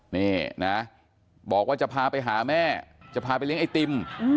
นี่นะบอกว่าจะพาไปหาแม่จะพาไปเลี้ยไอติม